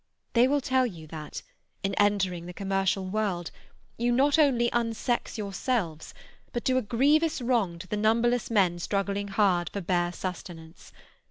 "They will tell you that, in entering the commercial world, you not only unsex yourselves, but do a grievous wrong to the numberless men struggling hard for bare sustenance.